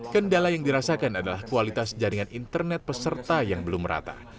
kendala yang dirasakan adalah kualitas jaringan internet peserta yang belum rata